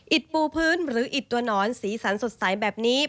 ปูพื้นหรืออิดตัวหนอนสีสันสดใสแบบนี้